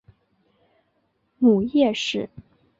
母叶氏。